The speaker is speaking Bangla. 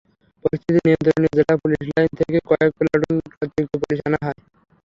পরিস্থিতি নিয়ন্ত্রণে জেলা পুলিশ লাইন থেকে কয়েক প্লাটুন অতিরিক্ত পুলিশ আনা হয়।